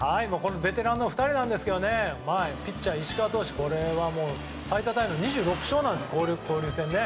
ベテランの２人ですがピッチャー石川投手は最多タイの２６勝利なんです、交流戦。